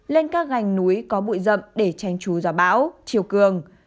lên các gành núi có bụi rậm để tránh chú gió bão chiều cường